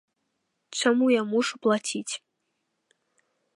Чаму я мушу плаціць?